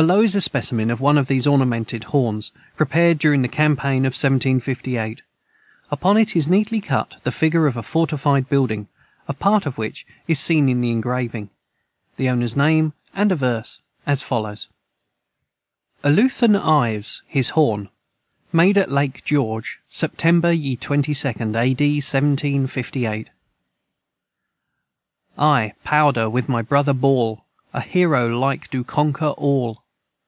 Below is a specimen of one of these ornamented horns, prepared during the campaign of 1758. Upon it is neatly cut the figure of a fortified building (a part of which is seen in the engraving), the owner's name, and a verse, as follows: "Eluathan Ives His Horn, Made at Lake George, September ye 22d, Ad. 1758. "I, powder, With My Brother Baul A Hero like do Conquer All.